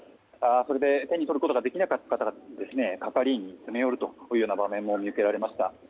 それで手に取ることができなかった係員に詰め寄る場面も見受けられました。